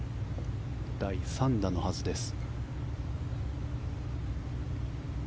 第３打のはずです。